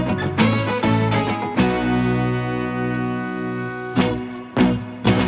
ngarang tau gak lo